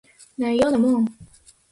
ないようなもん